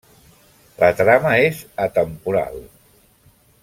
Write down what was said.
La trama és atemporal.